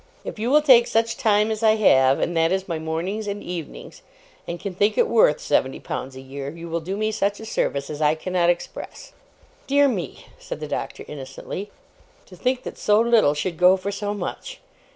'If you will take such time as I have, and that is my mornings and evenings, and can think it worth seventy pounds a year, you will do me such a service as I cannot express.' 'Dear me!' said the Doctor, innocently. 'To think that so little should go for so much!